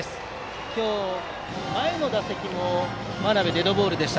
今日、前の打席も真鍋はデッドボールでした。